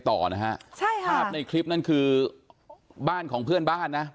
ต่อนะฮะใช่ค่ะภาพในคลิปนั้นคือบ้านของเพื่อนบ้านนะ